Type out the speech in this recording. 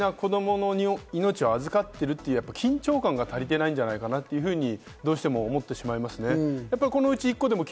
これを見ると、大事な子供の命を預かっているという緊張感が足りていないんじゃないかなというふうに思ってしまいますね。